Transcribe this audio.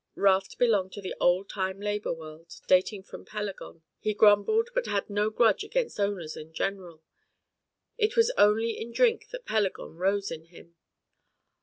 Raft belonged to the old time labour world dating from Pelagon, he grumbled, but had no grudge against owners in general, it was only in drink that Pelagon rose in him.